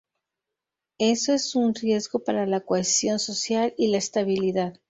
Eso es un riesgo para la cohesión social y la estabilidad.